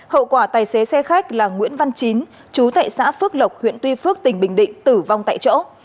hậu quả tài xế xe khách là nguyễn văn chín chú tại xã phước lộc huyện tuy phước tỉnh bình định tử vong tại chỗ